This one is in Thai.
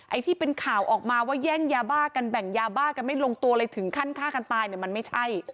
ไอ้ที่เป็นข่าวออกมาว่าแย่งยาบ้ากันแบ่งยาบ้ากันไม่ลงตัวเลยถึงขั้นฆ่ากันตายเนี่ยมันไม่ใช่